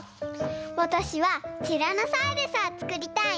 わたしはティラノサウルスをつくりたいんだ！